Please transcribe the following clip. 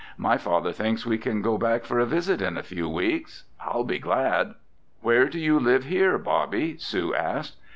My father thinks we can go back for a visit in a few weeks. I'll be glad." "Where do you live here, Bobby?" Sue asked.